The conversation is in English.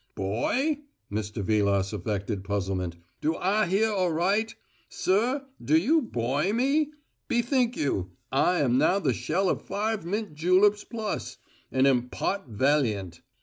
"`Boy?'" Mr. Vilas affected puzzlement. "Do I hear aright? Sir, do you boy me? Bethink you, I am now the shell of five mint juleps plus, and am pot valiant.